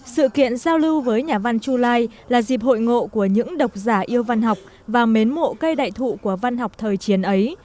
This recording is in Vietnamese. sự kiện giao lưu với nhà văn chu lai là dịp hội ngộ của những độc giả yêu văn học và mến mộ cây đại thụ của văn học thời chiến ấy